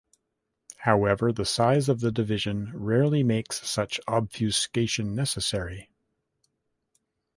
However, the size of the division rarely makes such obfuscation necessary.